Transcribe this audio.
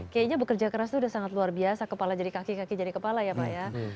kayaknya bekerja keras itu udah sangat luar biasa kepala jadi kaki kaki jadi kepala ya pak ya